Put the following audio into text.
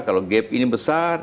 kalau gap ini besar